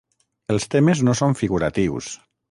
Els temes no són figuratius.